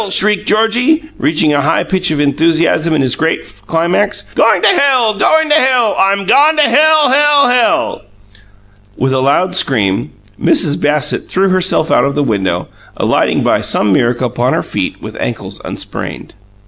shrieked Georgie, reaching a high pitch of enthusiasm in this great climax. "Going to hell! Going to hell! I'm gone to hell, hell, hell!" With a loud scream, Mrs. Bassett threw herself out of the window, alighting by some miracle upon her feet with ankles unsprained.